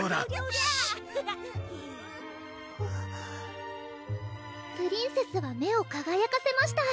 シー「プリンセスは目をかがやかせました」